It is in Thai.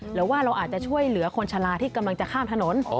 หรือว่าเราอาจจะช่วยเหลือคนชะลาที่กำลังจะข้ามถนน